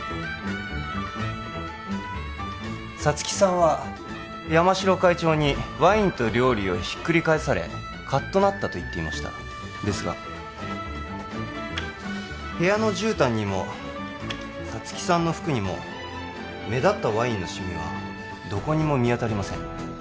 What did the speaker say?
皐月さんは山城会長にワインと料理をひっくり返されカッとなったと言っていましたですが部屋のじゅうたんにも皐月さんの服にも目立ったワインのシミはどこにも見当たりません